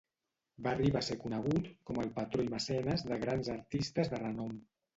Va arribar a ser conegut com el patró i mecenes de grans artistes de renom.